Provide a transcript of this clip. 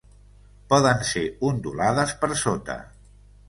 Poden ser ondulades per sota.